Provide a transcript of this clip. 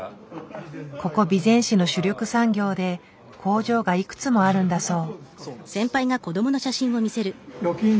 ここ備前市の主力産業で工場がいくつもあるんだそう。